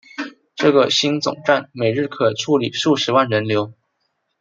这个新总站每日可处理数十万人流。